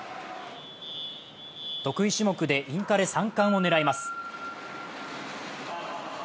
得意種目でインカレ３冠を狙います。